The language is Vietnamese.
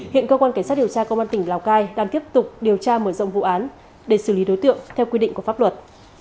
hiện cơ quan cảnh sát điều tra công an tỉnh lào cai đang tiếp tục điều tra mở rộng vụ án để xử lý đối tượng theo quy định của pháp luật